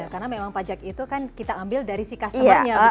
karena memang pajak itu kan kita ambil dari si customer nya